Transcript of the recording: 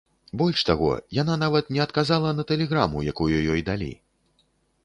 Больш таго, яна нават не адказала на тэлеграму, якую ёй далі.